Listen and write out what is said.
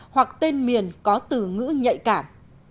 hoặc tên miền có từ ngữ nhạy cảm